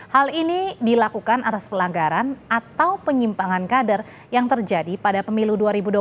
hal ini dilakukan atas pelanggaran atau penyimpangan kader yang terjadi pada pemilu dua ribu dua puluh